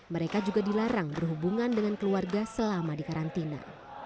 mereka juga dilarang berhubungan dengan keluarga selama dikarantina